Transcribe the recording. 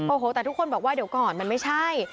โอ้โหแต่ทุกคนบอกว่าเดี๋ยวก่อนมันไม่ใช่